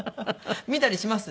見たりします？